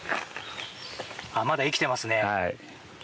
まだ生きてますね。